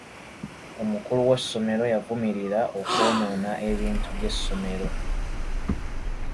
Omukulu w'essomero yavumirira okwonoona ebintu by'essomero.